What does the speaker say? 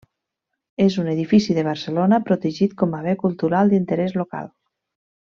És un edifici de Barcelona protegit com a Bé Cultural d'Interès Local.